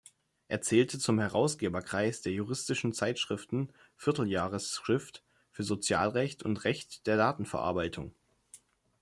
Er zählte zum Herausgeberkreis der juristischen Zeitschriften "Vierteljahresschrift für Sozialrecht" und "Recht der Datenverarbeitung".